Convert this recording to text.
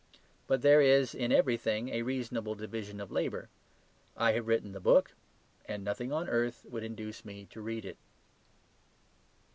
But there is in everything a reasonable division of labour. I have written the book, and nothing on earth would induce me to read it.